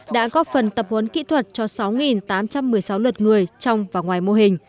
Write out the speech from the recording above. đã góp phần tập huấn kỹ thuật cho sáu tám trăm một mươi sáu lượt người trong và ngoài mô hình